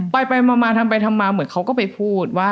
ไปไปมาทำไปเหมือนเขาก็ไปพูดว่า